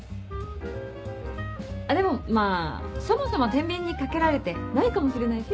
あっでもまぁそもそも天秤にかけられてないかもしれないし。